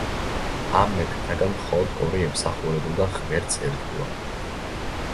ამ მეფეთაგან მხოლოდ ორი ემსახურებოდა ღმერთს ერთგულად.